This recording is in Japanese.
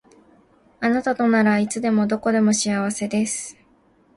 あなたとならいつでもどこでも幸せです